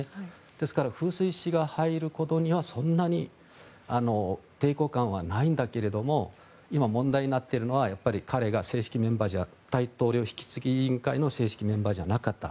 ですから風水師が入ることにはそんなに抵抗感はないんだけども今、問題になっているのは彼が大統領引き継ぎ委員会の正式メンバーじゃなかった。